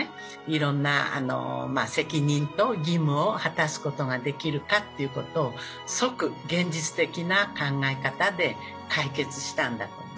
いろんな責任と義務を果たすことができるかっていうことを即現実的な考え方で解決したんだと思う。